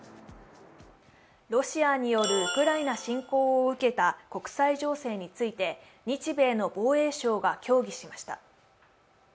ロシアによるウクライナ侵攻を受けた国際情勢について、日米の防衛相が協議しました。